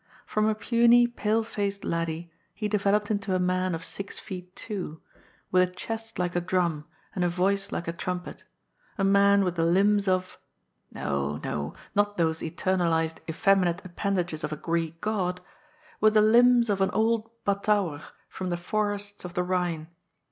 From a puny, pale faced laddie he developed into a man of six feet two, with a chest like a drum and a voice like a trumpet, a man with the limbs of — ^no, no, not those eternalized effeminate append ages of a Oreek god — ^with the limbs of an old Batouwer from the forests of the Rhine.